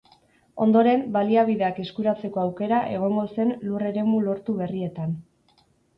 Ondoren, baliabideak eskuratzeko aukera egongo zen lur eremu lortu berrietan.